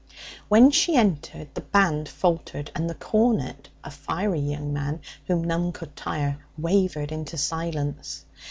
When she entered the band faltered, and the cornet, a fiery young man whom none could tire, wavered into silence.